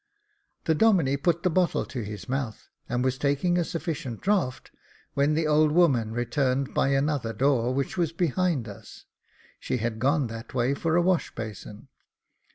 The Domine put the bottle to his mouth, and was taking a sufficient draught, when the old woman returned by another door which was behind us ; she had gone that way for a wash basin.